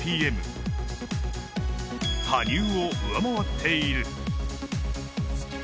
羽生を上回っている。